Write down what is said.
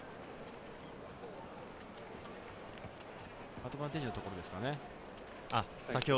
アドバンテージのところですかね。